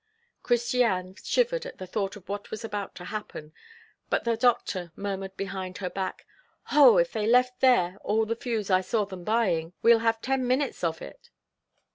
Christiane shivered at the thought of what was about to happen, but the doctor murmured behind her back: "Ho! if they left there all the fuse I saw them buying, we'll have ten minutes of it!"